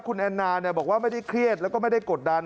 คุณแอนนาบอกว่าไม่ได้เครียดแล้วก็ไม่ได้กดดัน